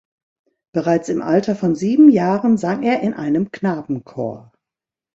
Bereits im Alter von sieben Jahren sang er in einem Knabenchor.